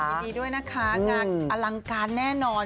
ยินดีด้วยนะคะงานอลังการแน่นอน